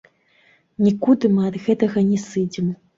Нікуды мы ад гэтага не сыдзем.